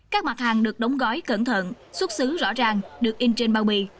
các mặt hàng được đóng gói cẩn thận xuất xứ rõ ràng được in trên bao bì